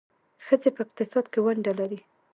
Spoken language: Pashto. ښځې په اقتصاد کې ونډه لري.